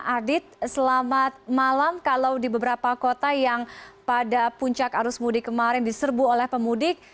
adit selamat malam kalau di beberapa kota yang pada puncak arus mudik kemarin diserbu oleh pemudik